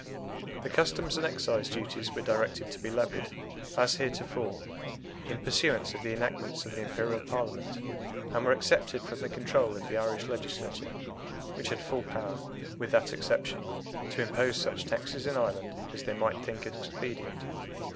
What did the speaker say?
The Customs and Excise duties were directed to be levied, as heretofore, in pursuance of the enactments of the Imperial Parliament, and were excepted from the control of the Irish Legislature, which had full power, with that exception, to impose such taxes in Ireland as they might think expedient.